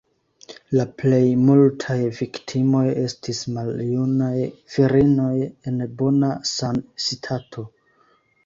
La plej multaj viktimoj estis maljunaj virinoj en bona sanstato.